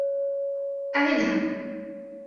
أعدها!